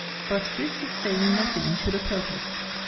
But this is saying nothing •to the purpose.